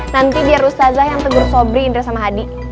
nanti biar ustazah yang tegur sobri indra sama hadi